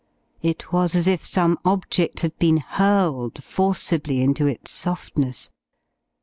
It was as if some object had been hurled forcibly into its softness.